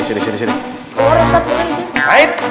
keluar ustaz keluar